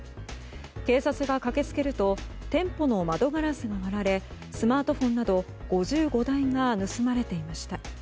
警察が駆け付けると店舗の窓ガラスが割られスマートフォンなど５５台が盗まれていました。